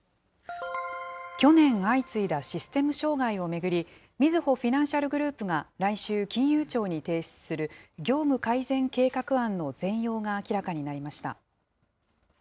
去年、相次いだシステム障害を巡り、みずほフィナンシャルグループが来週、金融庁に提出する業務改善計画案の全容が明らかになりました。